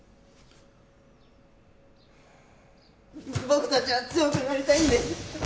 僕たちは強くなりたいんです。